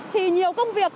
thì nhiều công việc